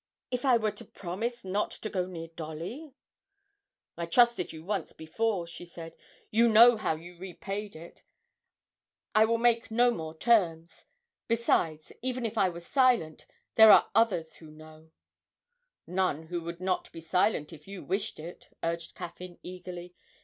If if I were to promise not to go near Dolly ' 'I trusted you once before,' she said, 'you know how you repaid it. I will make no more terms. Besides, even if I were silent, there are others who know ' 'None who would not be silent if you wished it,' urged Caffyn, eagerly.